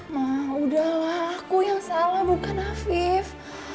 ma udahlah aku yang salah bukan afif